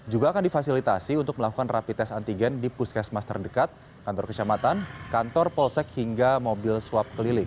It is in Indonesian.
juga akan difasilitasi untuk melakukan rapi tes antigen di puskesmas terdekat kantor kecamatan kantor polsek hingga mobil swab keliling